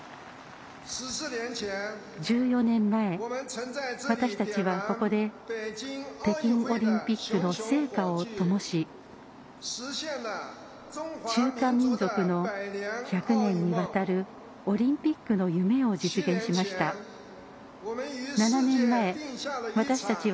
１４年前、私たちはここで北京オリンピックの聖火をともし中華民族の、１００年にわたるオリンピックの夢を実現しました。